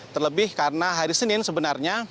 terlebih karena hari senin sebenarnya